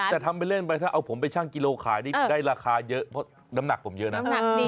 แต่ทำไปเล่นไปถ้าเอาผมไปชั่งกิโลขายนี่ได้ราคาเยอะเพราะน้ำหนักผมเยอะนะ